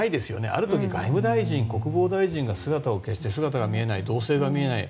ある時、外務大臣や国防大臣が姿をみえない、動静が見えない